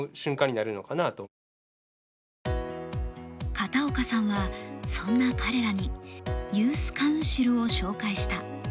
片岡さんは、そんな彼らにユースカウンシルを紹介した。